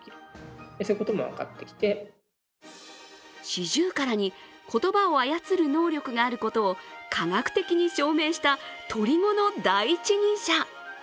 シジュウカラに言葉を操る能力があることを科学的に証明したトリ語の第一人者。